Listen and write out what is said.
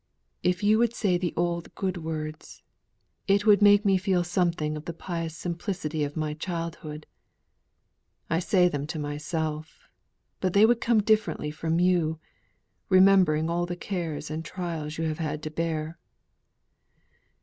If you would say the old good words, it would make me feel something of the pious simplicity of my childhood. I say them to myself, but they would come differently from you, remembering all the cares and trials you have had to bear."